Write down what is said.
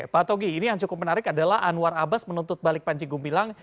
pak togi ini yang cukup menarik adalah anwar abbas menuntut balik panji gumilang